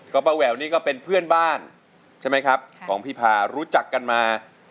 ก็ป้าแหววนี่ก็เป็นเพื่อนบ้านใช่ไหมครับของพี่พารู้จักกันมา